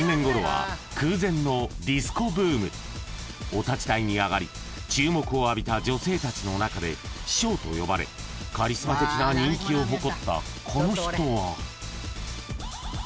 ［お立ち台に上がり注目を浴びた女性たちの中で「師匠」と呼ばれカリスマ的な人気を誇ったこの人は？］